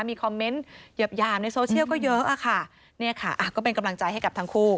มีคอมเมนต์หยับหยามในโซเชียลก็เยอะอะค่ะ